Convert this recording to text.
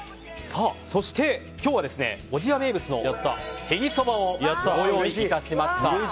そして、今日は小千谷名物のへぎそばをご用意いたしました。